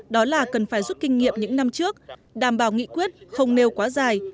đó là cần phải rút kinh nghiệm những năm trước đảm bảo nghị quyết không nêu quá dài